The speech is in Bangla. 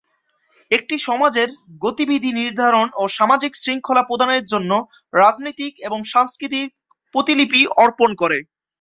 একটি সমাজের গতিবিধি নির্ধারণ ও সামাজিক শৃঙ্খলা প্রদানের জন্য রাজনৈতিক এবং সাংস্কৃতিক প্রতিলিপি অর্পণ করে।